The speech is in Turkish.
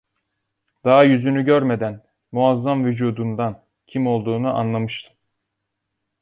Daha yüzünü görmeden, muazzam vücudundan, kim olduğunu anlamıştım.